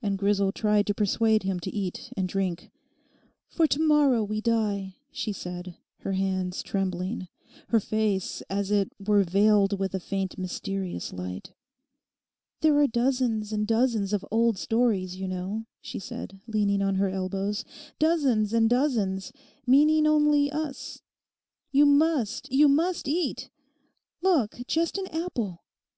And Grisel tried to persuade him to eat and drink, 'for to morrow we die,' she said, her hands trembling, her face as it were veiled with a faint mysterious light. 'There are dozens and dozens of old stories, you know,' she said, leaning on her elbows, 'dozens and dozens, meaning only us. You must, you must eat; look, just an apple.